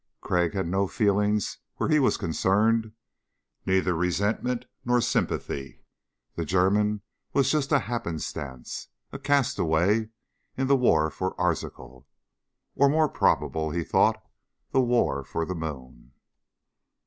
Crag had no feelings where he was concerned, neither resentment nor sympathy. The German was just a happenstance, a castaway in the war for Arzachel. Or, more probable, he thought, the war for the moon.